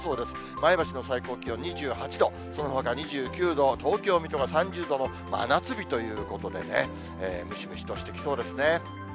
前橋の最高気温２８度、そのほか２９度、東京、水戸が３０度の真夏日ということでね、ムシムシとしてきそうですね。